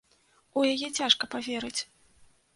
У яе цяжка паверыць.